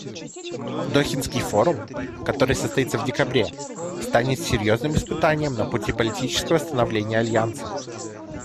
Дохинский форум, который состоится в декабре, станет серьезным испытанием на пути политического становления Альянса.